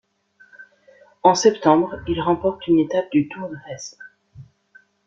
En septembre, il remporte une étape du Tour de Hesse.